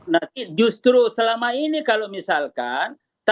nanti justru selama ini kalau misalkan